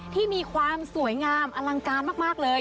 ที่มีความสวยงามอลังการมากเลย